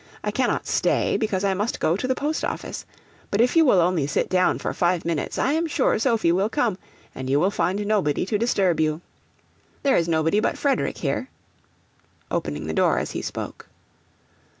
I cannot stay, because I must go to the Post Office, but if you will only sit down for five minutes I am sure Sophy will come, and you will find nobody to disturb you there is nobody but Frederick here,' opening the door as he spoke.